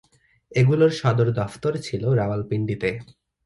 এগুলোর সদর দফতর ছিল রাওয়ালপিন্ডিতে।